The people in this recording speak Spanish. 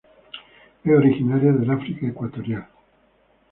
Es originaria de África ecuatorial.